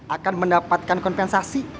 akan mendapatkan kompensasi